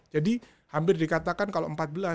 jadi hampir dikatakan kalau empat belas